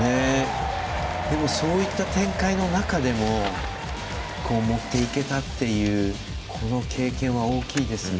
そういった展開の中でも持っていけたっていうこの経験は大きいですね。